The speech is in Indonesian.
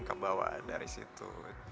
kebawa dari situ